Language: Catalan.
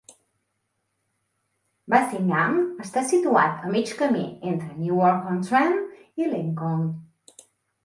Bassingham està situat a mig camí entre Newark-on-Trent i Lincoln.